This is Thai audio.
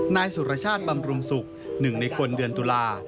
นายสุรชาติบำรุงศุกร์หนึ่งในคนเดือนตุลา